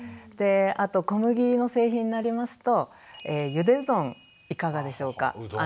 あと小麦の製品になりますとゆでうどんいかがでしょうか。